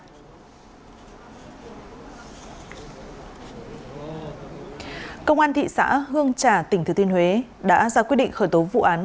cơ quan công an thị xã hương trà tỉnh thứ tuyên huế đã ra quyết định khởi tố vụ án